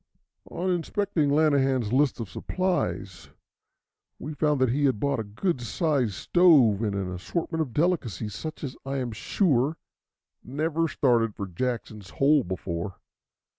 On inspecting Lanahan's list of supplies, we found that he had bought a good sized stove and an assortment of delicacies such as I am sure never started for Jackson's Hole before.